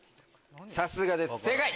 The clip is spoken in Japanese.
さすがです正解。